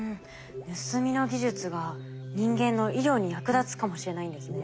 盗みの技術が人間の医療に役立つかもしれないんですね。